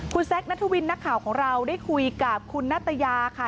คุณแซคนัทวินนักข่าวของเราได้คุยกับคุณนัตยาค่ะ